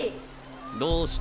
どうした？